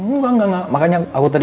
enggak enggak makanya aku tadi